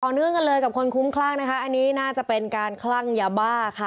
เนื่องกันเลยกับคนคุ้มคลั่งนะคะอันนี้น่าจะเป็นการคลั่งยาบ้าค่ะ